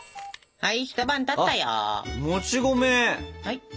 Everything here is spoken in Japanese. はい。